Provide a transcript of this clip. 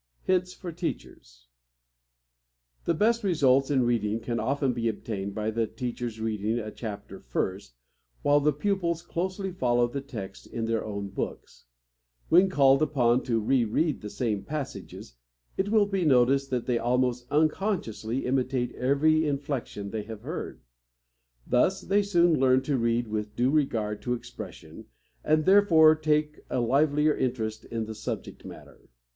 HINTS FOR TEACHERS. The best results in reading can often be obtained by the teacher's reading a chapter first, while the pupils closely follow the text in their own books. When called upon to re read the same passages, it will be noticed that they almost unconsciously imitate every inflection they have heard. Thus they soon learn to read with due regard to expression, and therefore take a livelier interest in the subject matter.